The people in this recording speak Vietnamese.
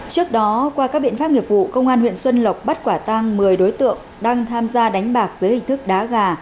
trước đó qua các biện pháp nghiệp vụ công an huyện xuân lộc bắt quả tang một mươi đối tượng đang tham gia đánh bạc dưới hình thức đá gà